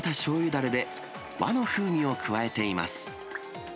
だれで、和の風味を加えています。